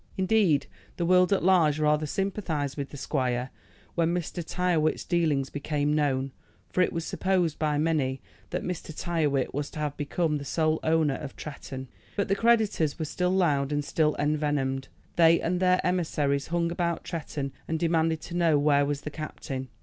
Indeed, the world at large rather sympathized with the squire when Mr. Tyrrwhit's dealings became known, for it was supposed by many that Mr. Tyrrwhit was to have become the sole owner of Tretton. But the creditors were still loud, and still envenomed. They and their emissaries hung about Tretton and demanded to know where was the captain.